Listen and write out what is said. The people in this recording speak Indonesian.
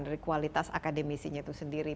dari kualitas akademisinya itu sendiri